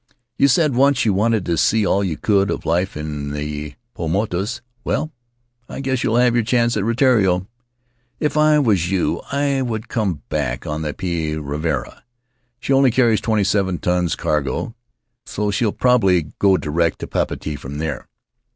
You said once you wanted to see all you could of life in the Paumotus. Well, I guess you'll have your chance at Rutiaro. If I was you I would come back on the Potii Ravarava. She only carries twenty seven tons cargo, so she'll probably go direct to Papeete from there.